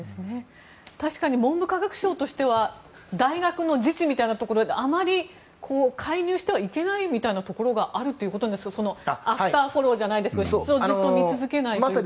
確かに文部科学省としては大学の自治みたいなところであまり介入してはいけないみたいなところがあるということなんですがアフターフォローというか質をずっと見続けないというのは。